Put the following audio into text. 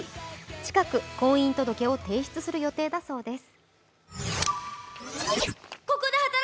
近く婚姻届を提出する予定だそうです。